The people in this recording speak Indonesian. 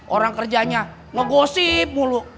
orang kerjanya ngegosip mulu